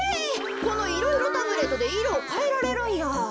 このいろいろタブレットでいろをかえられるんや。